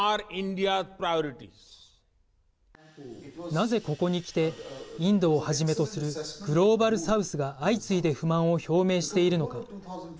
なぜ、ここにきてインドをはじめとするグローバル・サウスが相次いで不満を表明しているのか。